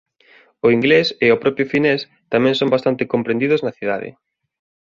O inglés e o propio finés tamén son bastante comprendidos na cidade.